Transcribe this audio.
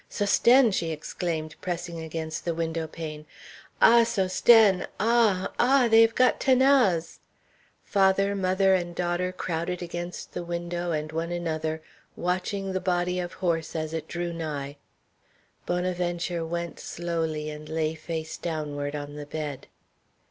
"Sosthène!" she exclaimed, pressing against the window pane, "ah, Sosthène! Ah, ah! they have got 'Thanase!" Father, mother, and daughter crowded against the window and one another, watching the body of horse as it drew nigh. Bonaventure went slowly and lay face downward on the bed.